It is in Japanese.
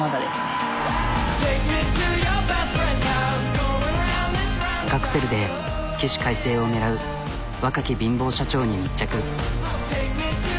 まあカクテルで起死回生を狙う若き貧乏社長に密着。